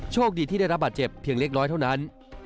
โชคดีที่ได้รับบาดเจ็บเพียงเล็กน้อยเท่านั้น